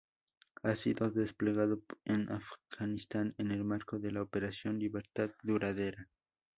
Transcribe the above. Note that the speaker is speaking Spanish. Ha sido desplegado en Afganistán en el marco de la Operación Libertad Duradera.